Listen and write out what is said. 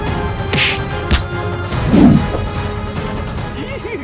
aku akan menang